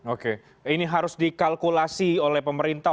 oke ini harus dikalkulasi oleh pemerintah